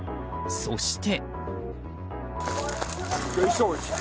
そして。